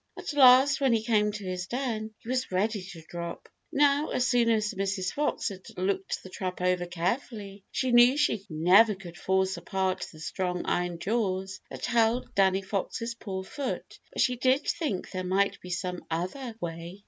At last, when he came to his den, he was ready to drop. Now, as soon as Mrs. Fox had looked the trap over carefully, she knew she never could force apart the strong iron jaws that held Danny Fox's poor foot, but she did think there might be some other way.